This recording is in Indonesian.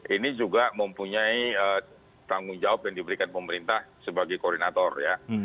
ini juga mempunyai tanggung jawab yang diberikan pemerintah sebagai koordinator ya